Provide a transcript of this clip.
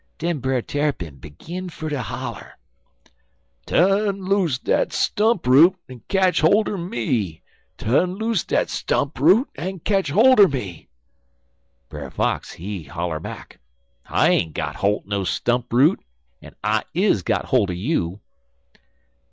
Den Brer Tarrypin begin fer ter holler: "'Tu'n loose dat stump root en ketch holt er me tu'n loose dat stump root en ketch holt er me.' "Brer Fox he holler back: "'I ain't got holt er no stump root, en I is got holt er you.'